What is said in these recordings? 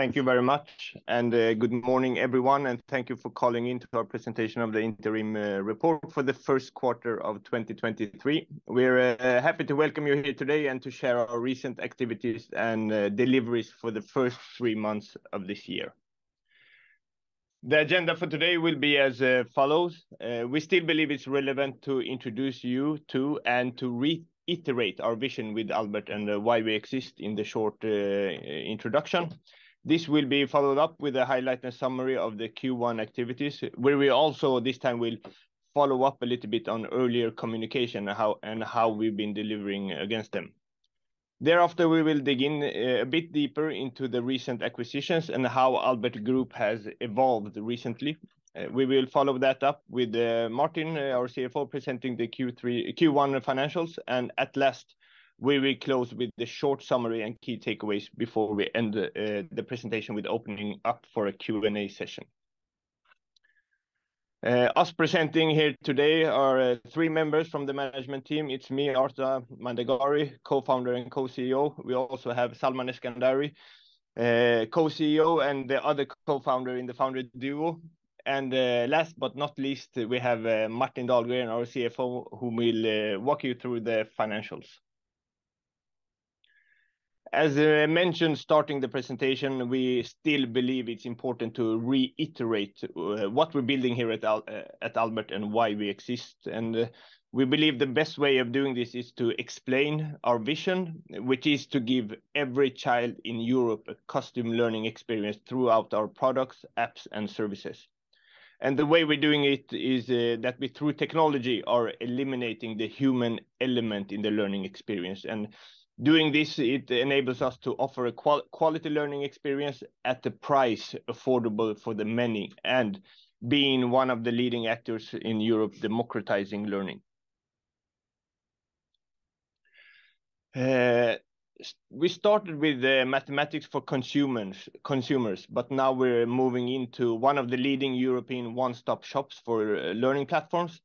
Thank you very much, and good morning, everyone, and thank you for calling in to our presentation of the interim report for the first quarter of 2023. We're happy to welcome you here today and to share our recent activities and deliveries for the first three months of this year. The agenda for today will be as follows. We still believe it's relevant to introduce you to, and to reiterate our vision with Albert and why we exist in the short introduction. This will be followed up with a highlight and summary of the Q1 activities, where we also, this time, will follow up a little bit on earlier communication, and how we've been delivering against them. Thereafter, we will dig in a bit deeper into the recent acquisitions and how Albert Group has evolved recently. We will follow that up with Martin, our CFO, presenting the Q1 financials. At last, we will close with the short summary and key takeaways before we end the presentation with opening up for a Q&A session. Us presenting here today are three members from the management team. It's me, Arta Mandegari, Co-Founder and Co-CEO. We also have Salman Eskandari, Co-CEO, and the other co-founder in the founder duo. Last but not least, we have Martin Dahlgren, our CFO, who will walk you through the financials. As mentioned, starting the presentation, we still believe it's important to reiterate what we're building here at Albert and why we exist. We believe the best way of doing this is to explain our vision, which is to give every child in Europe a custom learning experience throughout our products, apps, and services. The way we're doing it is that we, through technology, are eliminating the human element in the learning experience. Doing this, it enables us to offer a quality learning experience at a price affordable for the many, and being one of the leading actors in Europe, democratizing learning. We started with mathematics for consumers. Now we're moving into one of the leading European one-stop shops for learning platforms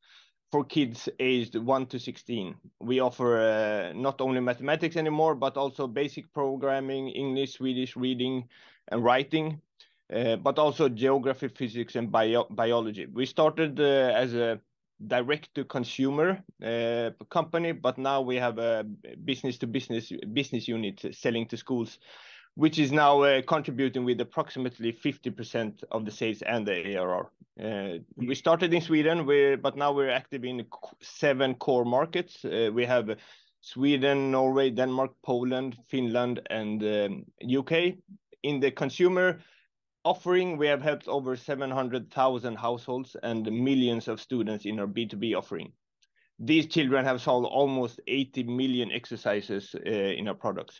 for kids aged 1-16. We offer, not only mathematics anymore, but also basic programming, English, Swedish reading and writing, but also geography, physics, and biology. We started as a direct-to-consumer company. Now we have a business-to-business business unit selling to schools, which is now contributing with approximately 50% of the sales and the ARR. We started in Sweden. Now we're active in seven core markets. We have Sweden, Norway, Denmark, Poland, Finland, and U.K. In the consumer offering, we have helped over 700,000 households and millions of students in our B2B offering. These children have solved almost 80 million exercises in our products.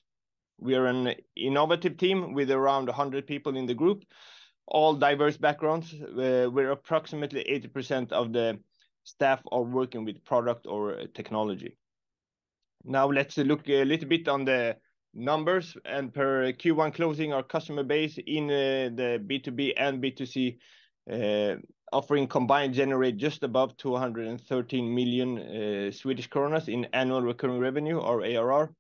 We are an innovative team with around 100 people in the group, all diverse backgrounds, where approximately 80% of the staff are working with product or technology. Let's look a little bit on the numbers, and per Q1 closing, our customer base in the B2B and B2C offering combined generate just above 213 million in annual recurring revenue, or ARR.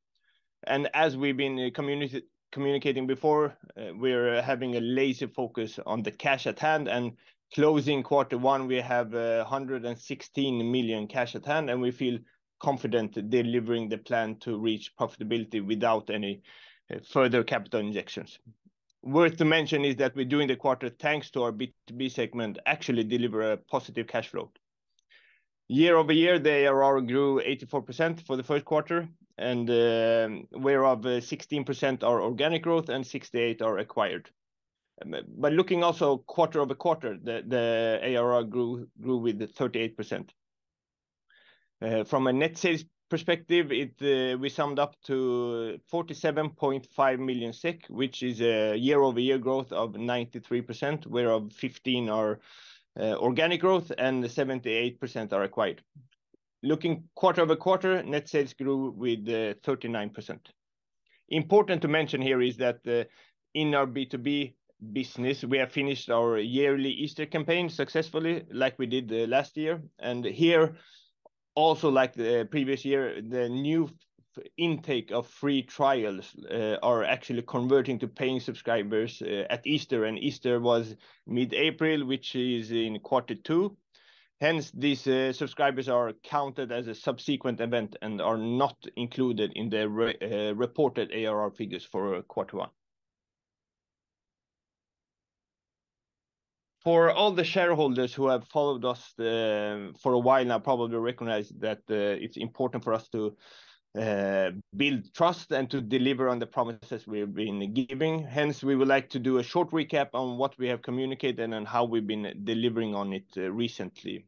As we've been communicating before, we're having a laser focus on the cash at hand, and closing quarter one, we have 116 million cash at hand, and we feel confident delivering the plan to reach profitability without any further capital injections. Worth to mention is that we, during the quarter, thanks to our B2B segment, actually deliver a positive cash flow. Year-over-year, the ARR grew 84% for the first quarter, whereof 16% are organic growth and 68% are acquired. Looking also quarter-over-quarter, the ARR grew with 38%. From a net sales perspective, it, we summed up to 47.5 million SEK, which is a year-over-year growth of 93%, whereof 15 are organic growth, and 78% are acquired. Looking quarter-over-quarter, net sales grew with 39%. Important to mention here is that in our B2B business, we have finished our yearly Easter campaign successfully, like we did last year. Here, also like the previous year, the new intake of free trials are actually converting to paying subscribers at Easter, and Easter was mid-April, which is in Q2. Hence, these subscribers are counted as a subsequent event and are not included in the reported ARR figures for Q1. For all the shareholders who have followed us, for a while now, probably recognize that it's important for us to build trust and to deliver on the promises we've been giving. Hence, we would like to do a short recap on what we have communicated and how we've been delivering on it recently.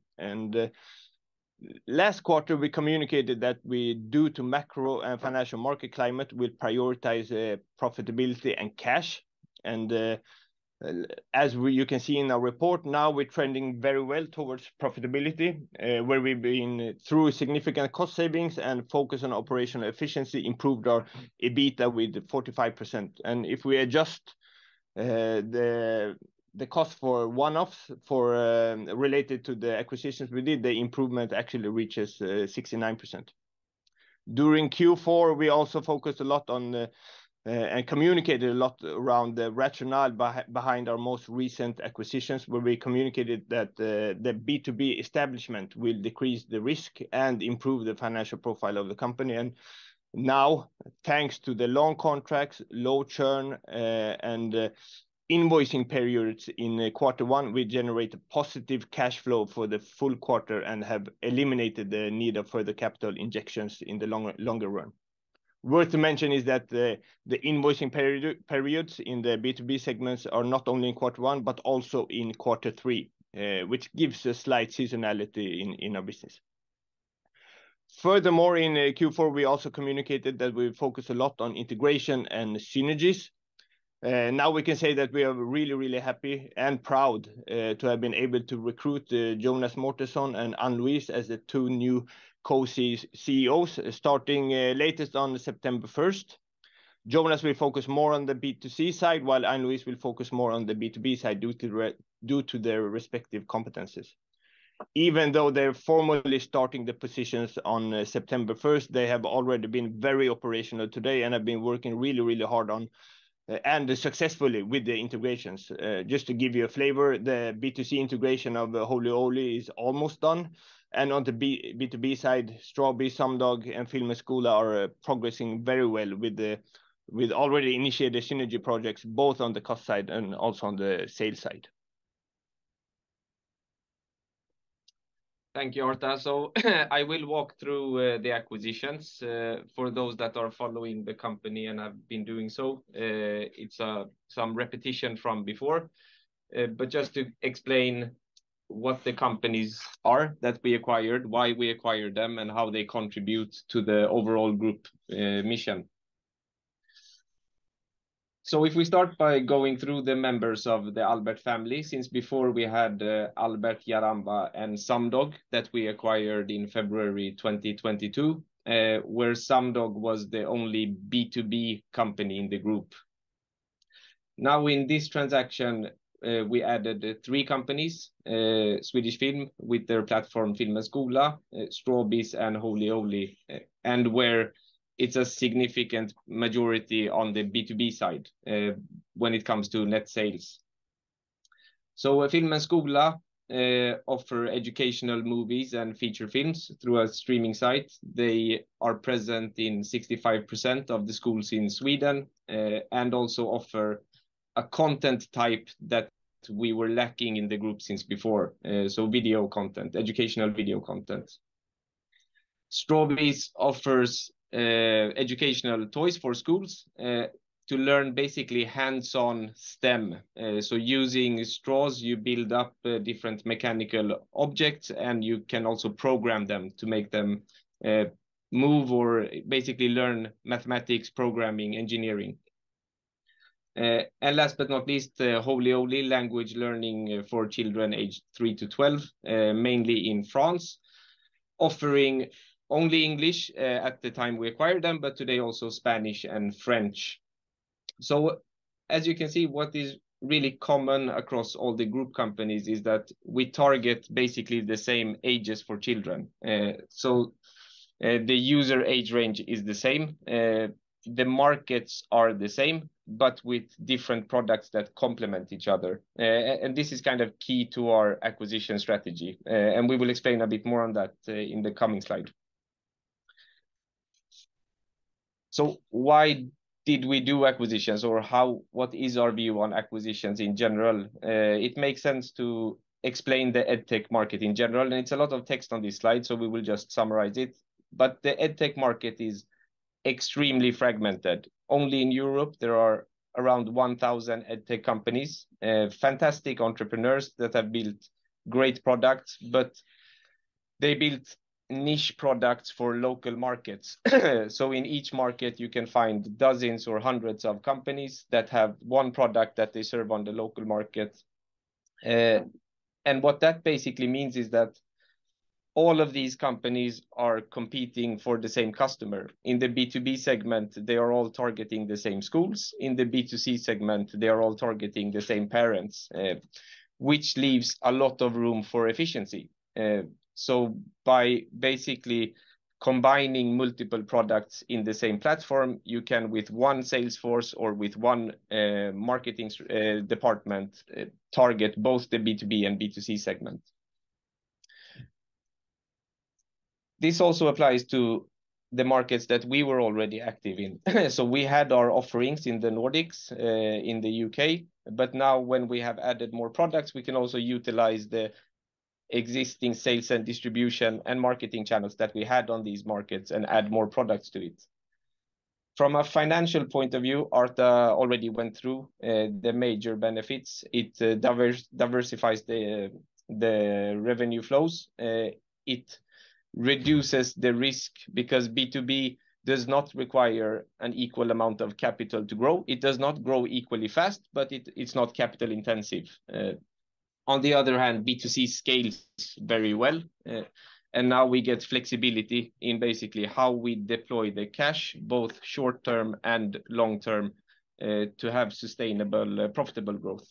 Last quarter, we communicated that we, due to macro and financial market climate, will prioritize profitability and cash, as you can see in our report now, we're trending very well towards profitability, where we've been through significant cost savings and focus on operational efficiency, improved our EBITDA with 45%. If we adjust the cost for one-offs for related to the acquisitions we did, the improvement actually reaches 69%. During Q4, we also focused a lot on and communicated a lot around the rationale behind our most recent acquisitions, where we communicated that the B2B establishment will decrease the risk and improve the financial profile of the company. Now, thanks to the long contracts, low churn, and invoicing periods in quarter one, we generate a positive cash flow for the full quarter and have eliminated the need of further capital injections in the longer run. Worth to mention is that the invoicing periods in the B2B segments are not only in quarter one, but also in quarter three, which gives a slight seasonality in our business. Furthermore, in Q4, we also communicated that we focus a lot on integration and synergies. Now we can say that we are really, really happy and proud to have been able to recruit Jonas Mårtensson and Anne-Louise as the two new co-CEOs, starting latest on September first. Jonas will focus more on the B2C side, while Anne-Louise will focus more on the B2B side, due to their respective competencies. Even though they're formally starting the positions on September first, they have already been very operational today and have been working really, really hard on and successfully with the integrations. Just to give you a flavor, the B2C integration of the Holy Owly is almost done, and on the B2B side, Strawbees, Sumdog, and Film och Skola are progressing very well with already initiated synergy projects, both on the cost side and also on the sales side. Thank you, Arta. I will walk through the acquisitions for those that are following the company and have been doing so. It's some repetition from before, but just to explain what the companies are that we acquired, why we acquired them, and how they contribute to the overall group mission. If we start by going through the members of the Albert family, since before we had Albert, Jaramba, and Sumdog, that we acquired in February 2022, where Sumdog was the only B2B company in the group. Now, in this transaction, we added three companies, Swedish Film, with their platform, Film och Skola, Strawbees, and Holy Owly, and where it's a significant majority on the B2B side, when it comes to net sales. Film och Skola offer educational movies and feature films through a streaming site. They are present in 65% of the schools in Sweden and also offer a content type that we were lacking in the group since before. Video content, educational video content. Strawbees offers educational toys for schools to learn basically hands-on STEM. Using straws, you build up different mechanical objects, and you can also program them to make them move or basically learn mathematics, programming, engineering. Last but not least, Holy Owly, language learning for children aged 3-12, mainly in France, offering only English at the time we acquired them, but today also Spanish and French. As you can see, what is really common across all the group companies is that we target basically the same ages for children. The user age range is the same, the markets are the same, but with different products that complement each other. And this is kind of key to our acquisition strategy, and we will explain a bit more on that in the coming slide. Why did we do acquisitions, or what is our view on acquisitions in general? It makes sense to explain the EdTech market in general, and it's a lot of text on this slide, so we will just summarize it. The EdTech market is extremely fragmented. Only in Europe, there are around 1,000 EdTech companies, fantastic entrepreneurs that have built great products, but they built niche products for local markets. In each market, you can find dozens or hundreds of companies that have one product that they serve on the local market. What that basically means is that all of these companies are competing for the same customer. In the B2B segment, they are all targeting the same schools. In the B2C segment, they are all targeting the same parents, which leaves a lot of room for efficiency. By basically combining multiple products in the same platform, you can, with one sales force or with one marketing department, target both the B2B and B2C segment. This also applies to the markets that we were already active in. We had our offerings in the Nordics, in the U.K., but now when we have added more products, we can also utilize the existing sales and distribution and marketing channels that we had on these markets and add more products to it. From a financial point of view, Arta already went through the major benefits. It diversifies the revenue flows. It reduces the risk, because B2B does not require an equal amount of capital to grow. It does not grow equally fast, but it's not capital intensive. On the other hand, B2C scales very well, and now we get flexibility in basically how we deploy the cash, both short term and long term, to have sustainable, profitable growth.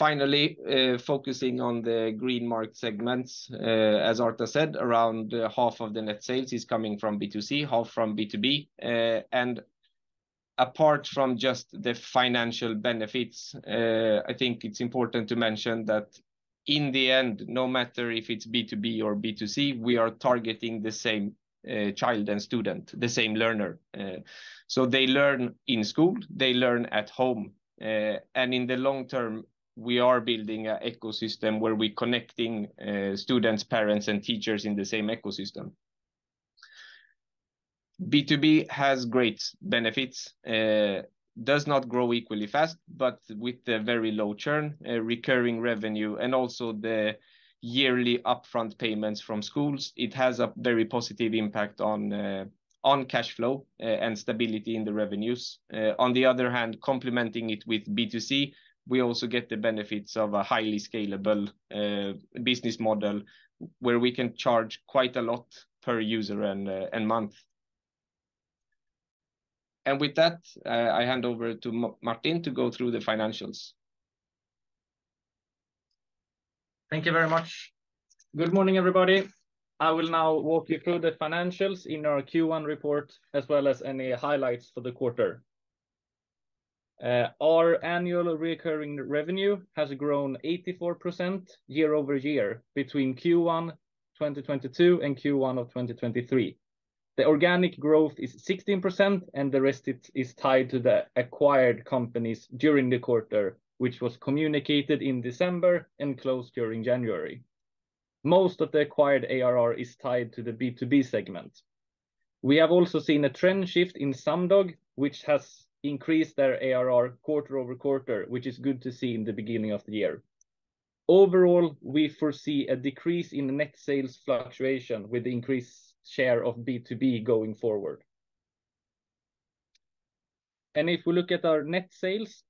Finally, focusing on the green mark segments, as Arta said, around half of the net sales is coming from B2C, half from B2B. Apart from just the financial benefits, I think it's important to mention that in the end, no matter if it's B2B or B2C, we are targeting the same child and student, the same learner. So they learn in school, they learn at home, and in the long term, we are building an ecosystem where we're connecting students, parents, and teachers in the same ecosystem. B2B has great benefits, does not grow equally fast, but with the very low churn, recurring revenue, and also the yearly upfront payments from schools, it has a very positive impact on cash flow and stability in the revenues. On the other hand, complementing it with B2C, we also get the benefits of a highly scalable business model, where we can charge quite a lot per user and month. With that, I hand over to Martin to go through the financials. Thank you very much. Good morning, everybody. I will now walk you through the financials in our Q1 report, as well as any highlights for the quarter. Our annual recurring revenue has grown 84% year-over-year between Q1 2022 and Q1 2023. The organic growth is 16%, and the rest is tied to the acquired companies during the quarter, which was communicated in December and closed during January. Most of the acquired ARR is tied to the B2B segment. We have also seen a trend shift in Sumdog, which has increased their ARR quarter-over-quarter, which is good to see in the beginning of the year. Overall, we foresee a decrease in the net sales fluctuation with increased share of B2B going forward. If we look at our net sales,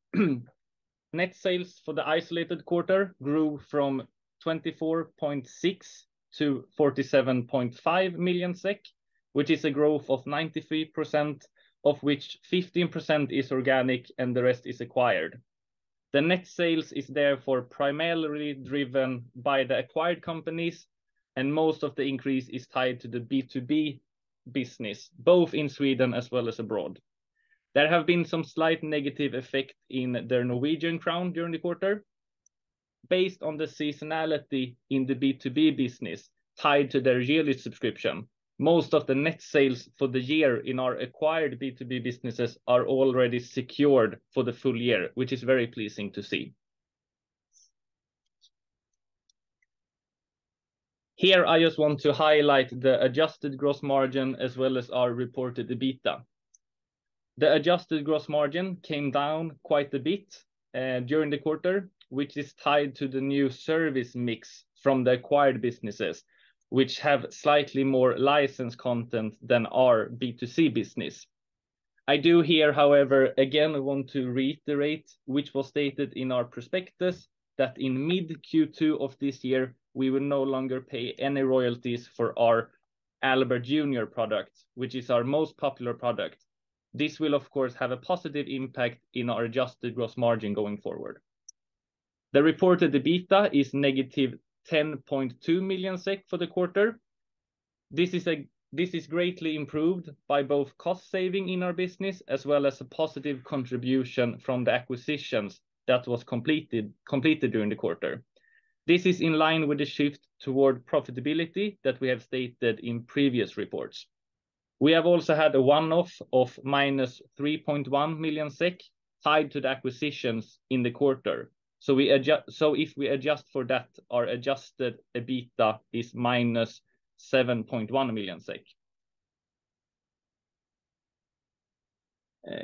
net sales for the isolated quarter grew from 24.6 million-47.5 million SEK, which is a growth of 93%, of which 15% is organic and the rest is acquired. The net sales is therefore primarily driven by the acquired companies, and most of the increase is tied to the B2B business, both in Sweden as well as abroad. There have been some slight negative effect in the Norwegian crown during the quarter. Based on the seasonality in the B2B business, tied to their yearly subscription, most of the net sales for the year in our acquired B2B businesses are already secured for the full year, which is very pleasing to see. Here, I just want to highlight the adjusted gross margin, as well as our reported EBITDA. The adjusted gross margin came down quite a bit during the quarter, which is tied to the new service mix from the acquired businesses, which have slightly more licensed content than our B2C business. I do here, however, again, want to reiterate, which was stated in our prospectus, that in mid-Q2 of this year, we will no longer pay any royalties for our Albert Junior product, which is our most popular product. This will, of course, have a positive impact in our adjusted gross margin going forward. The reported EBITDA is -10.2 million SEK for the quarter. This is greatly improved by both cost saving in our business, as well as a positive contribution from the acquisitions that was completed during the quarter. This is in line with the shift toward profitability that we have stated in previous reports. We have also had a one-off of -3.1 million SEK, tied to the acquisitions in the quarter. If we adjust for that, our adjusted EBITDA is -7.1 million SEK.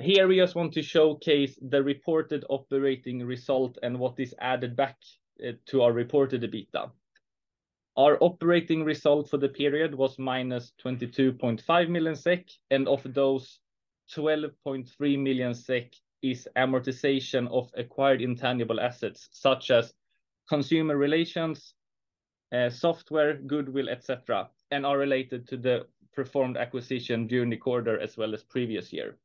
Here, we just want to showcase the reported operating result and what is added back to our reported EBITDA. Our operating result for the period was -22.5 million SEK, and of those, 12.3 million SEK is amortization of acquired intangible assets, such as consumer relations, software, goodwill, etc., and are related to the performed acquisition during the quarter, as well as previous year.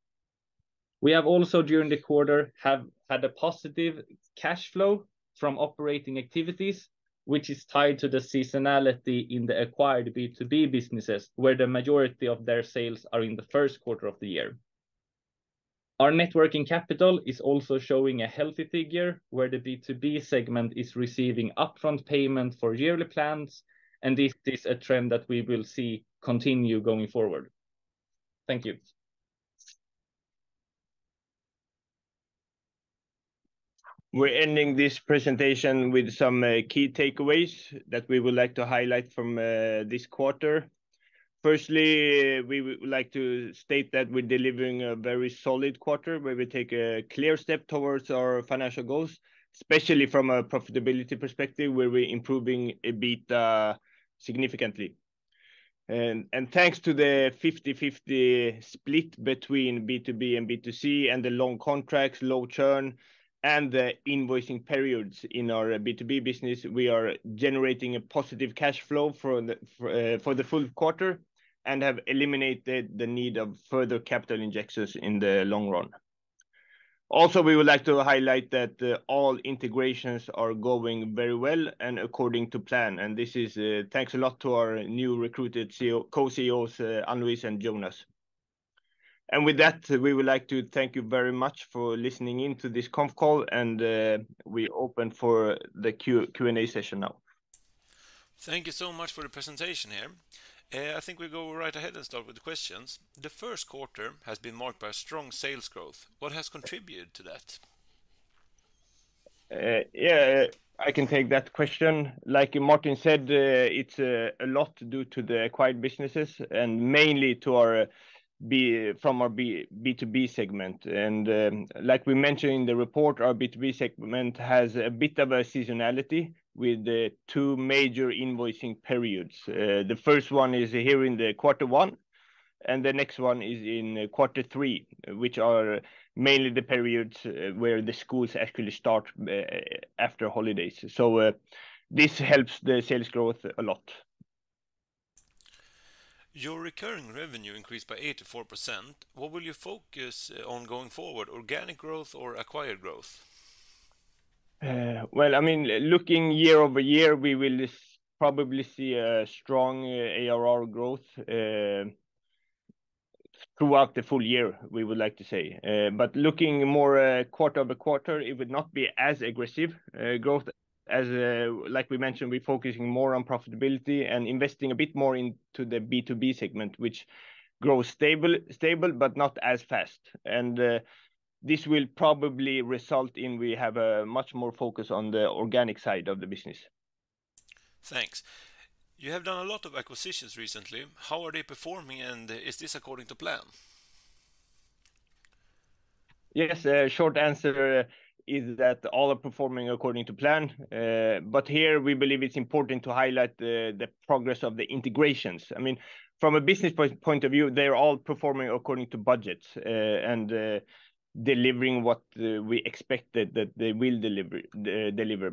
We have also, during the quarter, have had a positive cash flow from operating activities, which is tied to the seasonality in the acquired B2B businesses, where the majority of their sales are in the first quarter of the year. Our Net working capital is also showing a healthy figure, where the B2B segment is receiving upfront payment for yearly plans. This is a trend that we will see continue going forward. Thank you. We're ending this presentation with some key takeaways that we would like to highlight from this quarter. Firstly, we would like to state that we're delivering a very solid quarter, where we take a clear step towards our financial goals, especially from a profitability perspective, where we're improving EBITDA significantly. Thanks to the 50/50 split between B2B and B2C, and the long contracts, low churn, and the invoicing periods in our B2B business, we are generating a positive cash flow for the full quarter and have eliminated the need of further capital injections in the long run. We would like to highlight that all integrations are going very well and according to plan, and this is thanks a lot to our new recruited co-CEOs, Anne-Louise and Jonas. With that, we would like to thank you very much for listening in to this conf call, and we're open for the Q&A session now. Thank you so much for the presentation here. I think we go right ahead and start with the questions. The first quarter has been marked by strong sales growth. What has contributed to that? Yeah, I can take that question. Like Martin said, it's a lot due to the acquired businesses, and mainly from our B2B segment. Like we mentioned in the report, our B2B segment has a bit of a seasonality with the two major invoicing periods. The first one is here in the quarter one, and the next one is in quarter three, which are mainly the periods where the schools actually start after holidays. This helps the sales growth a lot. Your recurring revenue increased by 84%. What will you focus on going forward, organic growth or acquired growth? Well, I mean, looking year-over-year, we will probably see a strong ARR growth throughout the full year, we would like to say. Looking more, quarter-over-quarter, it would not be as aggressive growth. Like we mentioned, we're focusing more on profitability and investing a bit more into the B2B segment, which grows stable, but not as fast. This will probably result in we have a much more focus on the organic side of the business. Thanks. You have done a lot of acquisitions recently. How are they performing, and is this according to plan? Yes, short answer is that all are performing according to plan. Here we believe it's important to highlight the progress of the integrations. I mean, from a business point of view, they're all performing according to budget, and delivering what we expected that they will deliver.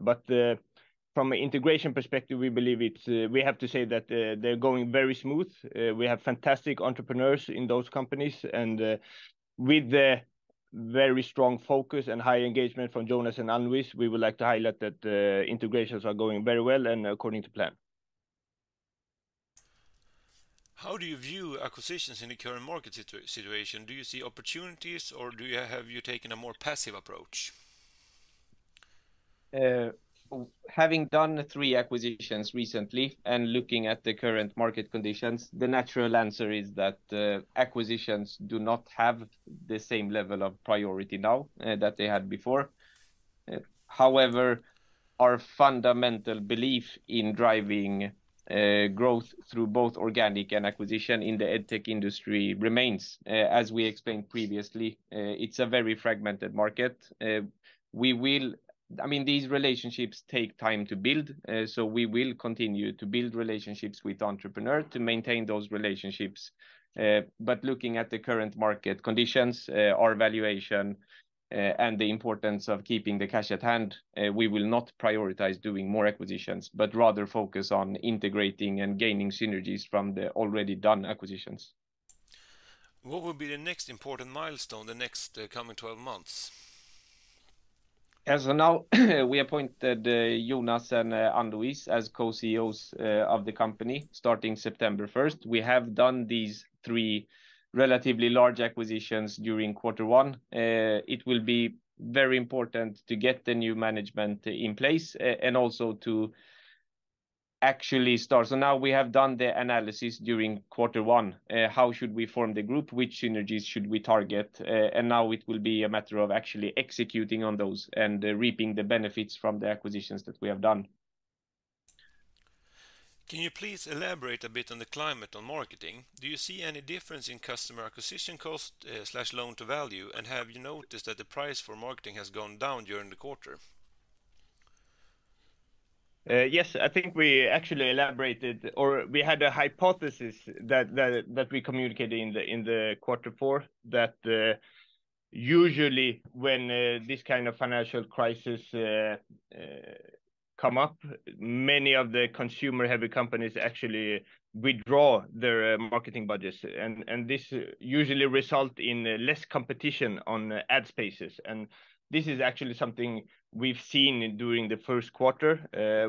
From an integration perspective, we believe it's we have to say that they're going very smooth. We have fantastic entrepreneurs in those companies, and with the very strong focus and high engagement from Jonas and Anne-Louise, we would like to highlight that integrations are going very well and according to plan. How do you view acquisitions in the current market situation? Do you see opportunities, or have you taken a more passive approach? Having done three acquisitions recently and looking at the current market conditions, the natural answer is that acquisitions do not have the same level of priority now that they had before. However, our fundamental belief in driving growth through both organic and acquisition in the EdTech industry remains. As we explained previously, it's a very fragmented market. I mean, these relationships take time to build, so we will continue to build relationships with entrepreneur to maintain those relationships. Looking at the current market conditions, our valuation, and the importance of keeping the cash at hand, we will not prioritize doing more acquisitions, but rather focus on integrating and gaining synergies from the already done acquisitions. What would be the next important milestone in the next, coming 12 months? As of now, we appointed Jonas and Anne-Louise as Co-CEOs of the company, starting September 1st. We have done these three relatively large acquisitions during quarter one. It will be very important to get the new management in place, and also to actually start. Now we have done the analysis during quarter one: how should we form the group? Which synergies should we target? Now it will be a matter of actually executing on those and reaping the benefits from the acquisitions that we have done. Can you please elaborate a bit on the climate on marketing? Do you see any difference in customer acquisition cost, slash loan-to-value, and have you noticed that the price for marketing has gone down during the quarter? Yes, I think we actually elaborated, or we had a hypothesis that we communicated in the quarter four, that usually when this kind of financial crisis comes up, many of the consumer-heavy companies actually withdraw their marketing budgets. This usually results in less competition on ad spaces, and this is actually something we've seen during the first quarter.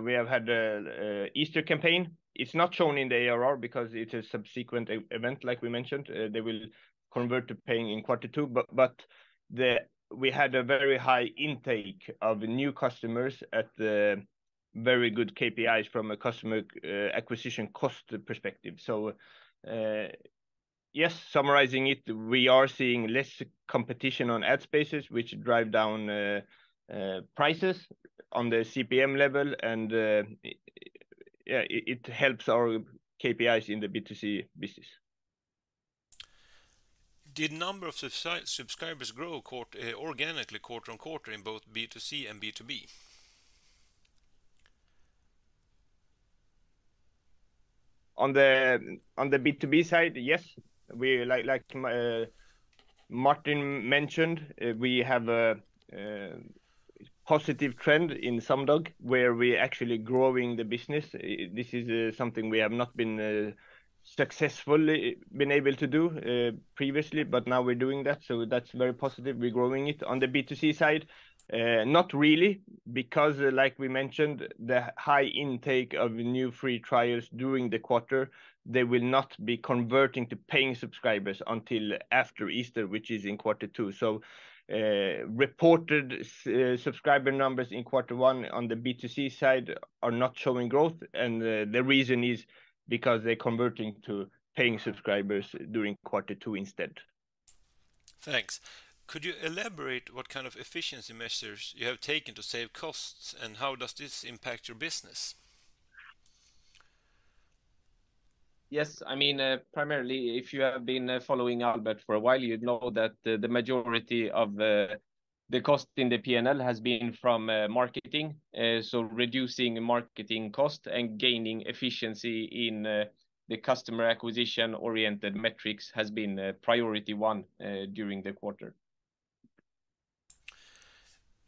We have had an Easter campaign. It's not shown in the ARR because it is a subsequent event, like we mentioned. They will convert to paying in quarter two. We had a very high intake of new customers at the very good KPIs from a customer acquisition cost perspective. Yes, summarizing it, we are seeing less competition on ad spaces, which drive down prices on the CPM level, and, yeah, it helps our KPIs in the B2C business. Did number of subscribers grow quarter organically quarter on quarter in both B2C and B2B? On the B2B side, yes. We like Martin mentioned, we have a positive trend in Sumdog, where we're actually growing the business. This is something we have not been successfully been able to do previously, but now we're doing that, so that's very positive. We're growing it. On the B2C side, not really, because like we mentioned, the high intake of new free trials during the quarter, they will not be converting to paying subscribers until after Easter, which is in quarter two. Reported subscriber numbers in quarter one on the B2C side are not showing growth, and the reason is because they're converting to paying subscribers during quarter two instead. Thanks. Could you elaborate what kind of efficiency measures you have taken to save costs, and how does this impact your business? Yes, I mean, primarily, if you have been following Albert for a while, you'd know that the majority of the cost in the P&L has been from marketing. Reducing marketing cost and gaining efficiency in the customer acquisition-oriented metrics has been priority one during the quarter.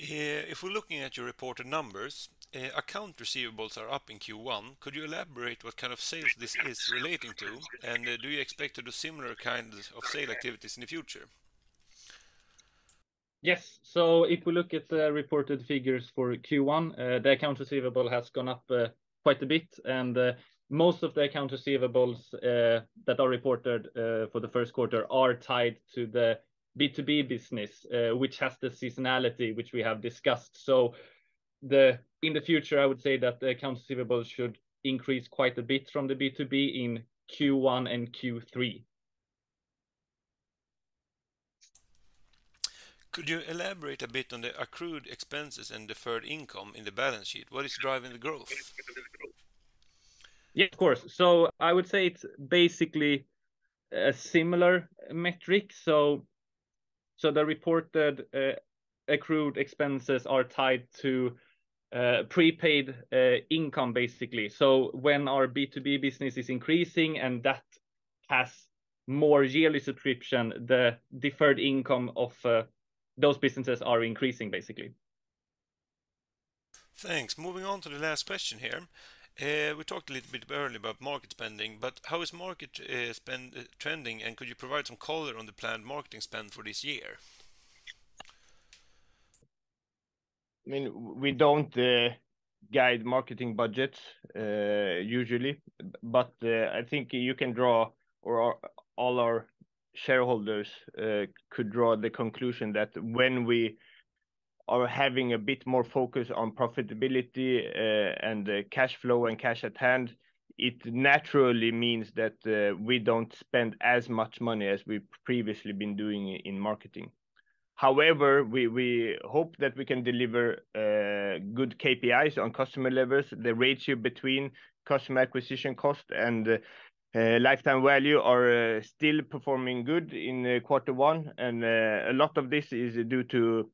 If we're looking at your reported numbers, accounts receivable are up in Q1. Could you elaborate what kind of sales this is relating to? Do you expect to do similar kinds of sale activities in the future? Yes. If we look at the reported figures for Q1, the account receivable has gone up quite a bit, and most of the account receivables that are reported for the first quarter are tied to the B2B business, which has the seasonality, which we have discussed. In the future, I would say that the account receivables should increase quite a bit from the B2B in Q1 and Q3. Could you elaborate a bit on the accrued expenses and deferred income in the balance sheet? What is driving the growth? Yeah, of course. I would say it's basically a similar metric. The reported accrued expenses are tied to prepaid income, basically. When our B2B business is increasing, and that has more yearly subscription, the deferred income of those businesses are increasing, basically. Thanks. Moving on to the last question here. We talked a little bit earlier about market spending. How is market spend trending, and could you provide some color on the planned marketing spend for this year? I mean, we don't guide marketing budgets usually, but I think all our shareholders could draw the conclusion that when we are having a bit more focus on profitability, and cash flow and cash at hand, it naturally means that we don't spend as much money as we've previously been doing in marketing. However, we hope that we can deliver good KPIs on customer levels. The ratio between customer acquisition cost and lifetime value are still performing good in quarter one, and a lot of this is due to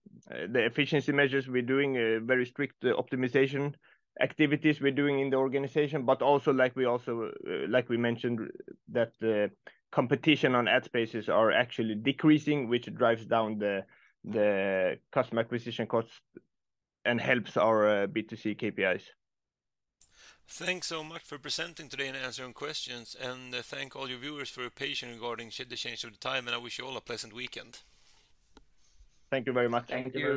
the efficiency measures we're doing, a very strict optimization activities we're doing in the organization. Also like we mentioned, that the competition on ad spaces are actually decreasing, which drives down the customer acquisition costs and helps our B2C KPIs. Thanks so much for presenting today and answering questions. Thank all you viewers for your patience regarding the change of the time. I wish you all a pleasant weekend. Thank you very much. Thank you.